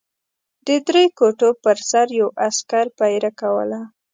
د درې کوټو پر سر یو عسکر پېره کوله.